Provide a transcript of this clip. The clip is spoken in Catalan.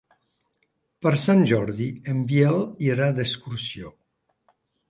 Per Sant Jordi en Biel irà d'excursió.